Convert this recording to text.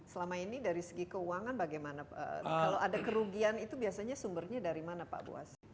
selama ini dari segi keuangan bagaimana kalau ada kerugian itu biasanya sumbernya dari mana pak buas